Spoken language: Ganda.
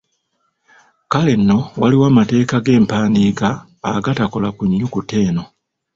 Kale nno waliwo amateeka g’empandiika agatakola ku nnyukuta eno.